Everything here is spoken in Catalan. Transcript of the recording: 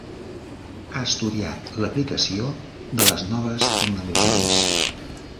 Ha estudiat l'aplicació de les noves tecnologies.